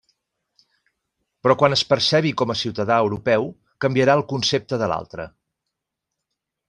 Però quan es percebi com a ciutadà europeu, canviarà el concepte de l'altre.